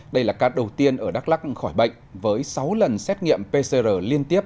đây là ca đầu tiên ở đắk lắc khỏi bệnh với sáu lần xét nghiệm pcr liên tiếp